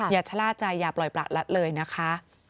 อย่าชะล่าใจอย่าปล่อยประละเลยนะคะ